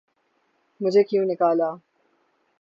''مجھے کیوں نکالا‘‘۔